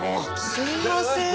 すみません。